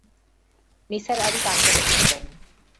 নিসার আলি কান পেতে শুনলেন।